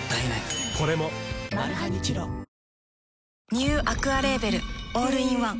ニューアクアレーベルオールインワン